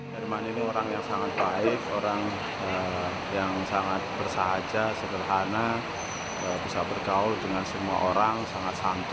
herman ini orang yang sangat baik orang yang sangat bersahaja sederhana bisa bergaul dengan semua orang sangat santu